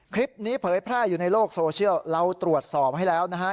เผยแพร่อยู่ในโลกโซเชียลเราตรวจสอบให้แล้วนะฮะ